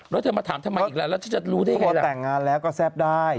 แล้วเธอมาถามทำไมอีกแล้วแล้วฉันจะรู้ได้ไงล่ะแต่งงานแล้วก็แซ่บได้